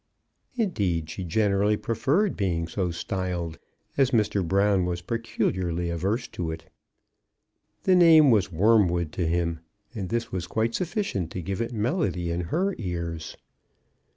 Indeed, she generally preferred being so styled, as Mr. Brown was peculiarly averse to it. The name was wormwood to him, and this was quite sufficient to give it melody in her ears.